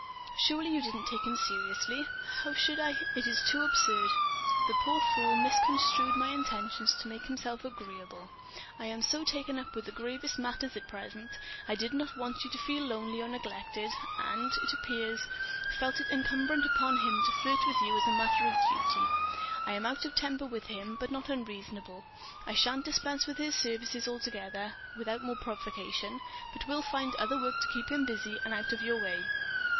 Surely you didn't take him seriously?" "How should I—?" "It is too absurd. The poor fool misconstrued my instructions to make himself agreeable—I am so taken up with the gravest matters at present, I didn't want you to feel lonely or neglected—and, it appears, felt it incumbent upon him to flirt with you as a matter of duty. I am out of temper with him, but not unreasonable; I shan't dispense with his services altogether, without more provocation, but will find other work to keep him busy and out of your way.